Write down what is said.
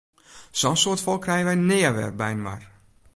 Sa'n soad folk krije wy nea wer byinoar!